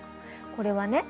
これはね